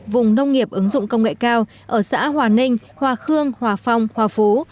vùng nông nghiệp ứng dụng công nghệ cao ở xã hòa ninh hòa khương hòa phong hòa phú